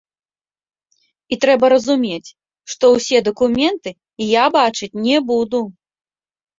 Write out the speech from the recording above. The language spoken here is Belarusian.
І трэба разумець, што ўсе дакументы я бачыць не буду.